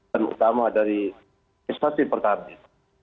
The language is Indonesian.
terutama dari investasi pertarungan